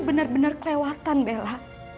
bener bener kelewatan bella